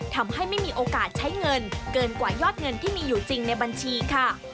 ทำให้ไม่มีโอกาสใช้เงินเกินกว่ายอดเงินที่มีอยู่จริงในบัญชีค่ะ